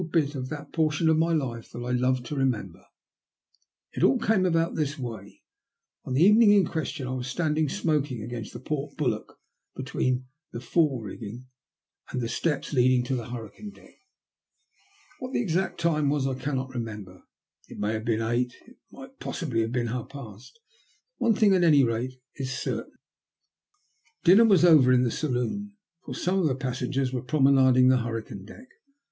121 bit of that portion of my life that I love to remember. It all came about in this \vay : On the evening in question I was standing smoking against the port bulwarks between the fore rigging and the steps leading to the hurricane deck. What the exact time was I cannot remember. It may have been eight, and it might possibly have been half past ; one thing, at any rate, is certain : dinner was over in the saloon, for some of the passengers were promenading the hurricane deck.